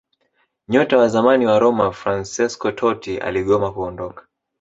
Nyota wa zamani wa Roma Fransesco Totti aligoma kuondoka